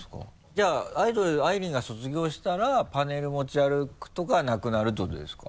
じゃあアイドルあいりんが卒業したらパネル持ち歩くとかはなくなるってことですか？